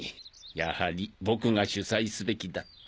やはり僕が主催すべきだった。